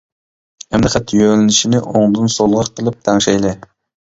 ئەمدىن خەت يۆلىنىشىنى ئوڭدىن سولغا قىلىپ تەڭشەيلى.